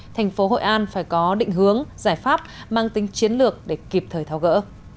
thành phố hội an phải có định hướng giải pháp mang tính chiến lược để kịp thời thao gỡ